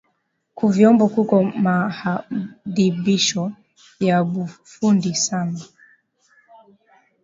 Ku vyombo kuko mahadibisho ya bufundi sana